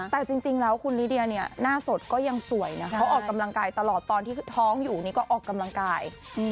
แต่จริงแล้วคุณลิเดียเนี่ยหน้าสดก็ยังสวยนะเขาออกกำลังกายตลอดตอนที่ท้องอยู่นี่ก็ออกกำลังกาย